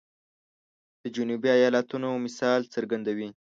د جنوبي ایالاتونو مثال څرګندوي.